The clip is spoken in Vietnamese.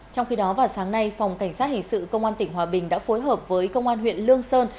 trong khi đó vào sáng nay phòng cảnh sát hình sự công an tỉnh hòa bình đã phối hợp với công an huyện lương sơn